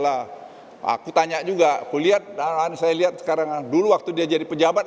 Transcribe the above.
aku tanya juga aku lihat saya lihat sekarang dulu waktu dia jadi pejabat